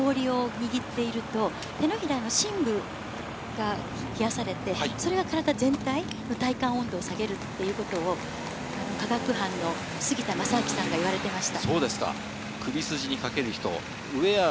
手のひらで氷を握っていると手のひらの深部が冷やされて、それが体全体の体感温度を下げるということを科学班の杉田正明さんが言われていました。